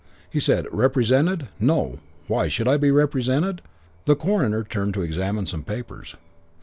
He said, "Represented? No. Why should I be represented?" The coroner turned to examine some papers.